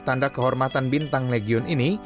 tanda kehormatan bintang legion ini